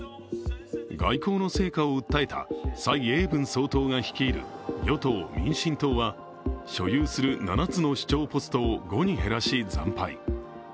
外交の成果を訴えた蔡英文総統が率いる与党・民進党は所有する７つの首長ポストを５に減らし惨敗。